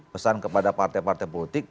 pesan kepada partai partai politik